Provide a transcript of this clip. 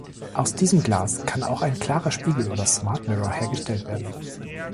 Aus diesem Glas kann auch ein klarer Spiegel oder Smartmirror hergestellt werden.